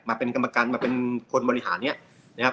เป็นกรรมการมาเป็นคนบริหารเนี่ยนะครับ